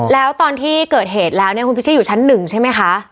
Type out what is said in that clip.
แล้วตอนที่เกิดเหตุแล้วเนี่ยคุณพิชิตอยู่ชั้น๑ใช่ไหมคะ